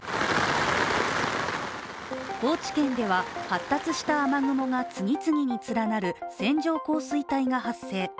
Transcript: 高知県では、発達した雨雲が次々に連なる線状降水帯が発生。